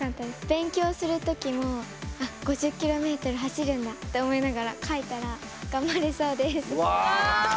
勉強する時もあっ５０ｋｍ走るんだって思いながら書いたら頑張れそうです。